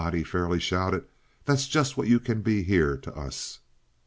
he fairly shouted, "that's just what you can be here to us."